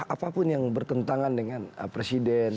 apapun yang bertentangan dengan presiden